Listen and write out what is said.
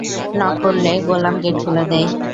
Knock করলে Golam gate খুলে দেয়।